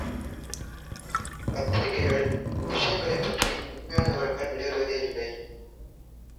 பத்திரிகைகளில் இவ்விஷயங்களைப் பற்றி உண்மையான விவரங்கள் வெளிவருவதேயில்லை.